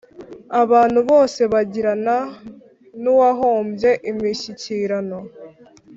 abantu bose bagirana n’ uwahombye imishyikirano